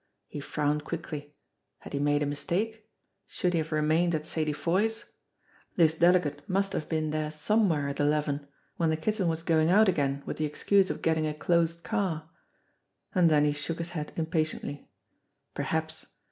He frowned quickly. Had he made a mistake ? Should he have remained at Sadie Foy's? This delegate must have been there some where at eleven when the Kitten was going out again with the excuse of getting a closed car. And then he shook his head impatiently. Perhaps